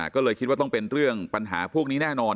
ก็เลยคิดว่าต้องเป็นเรื่องปัญหาพวกนี้แน่นอน